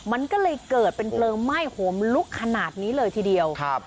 มันก็เลยเกิดเป็นเพลิงไหม้โหมลุกขนาดนี้เลยทีเดียวครับ